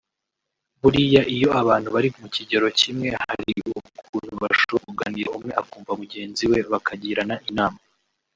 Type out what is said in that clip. buriya iyo abantu bari mu kigero kimwe hari ukuntu bashobora kuganira umwe akumva mugenzi we bakagirana inama